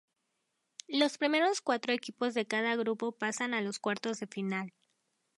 Los primeros cuatro equipos de cada grupo pasan a los cuartos de final.